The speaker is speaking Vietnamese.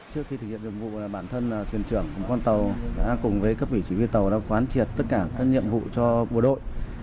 trước khi thực hiện nhiệm vụ bản thân thuyền trưởng con tàu đã cùng với các vị chỉ huy tàu đã quán triệt tất cả các nhiệm vụ cho bộ đội